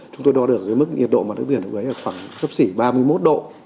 chúng tôi đo được mức nhiệt độ mặt nước biển với khoảng sấp xỉ ba mươi một độ